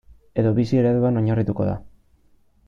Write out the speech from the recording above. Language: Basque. Edo bizi ereduan oinarrituko da.